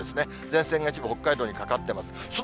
前線が一部、北海道にかかってます。